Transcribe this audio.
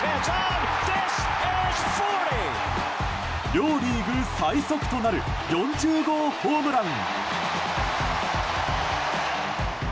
両リーグ最速となる４０号ホームラン。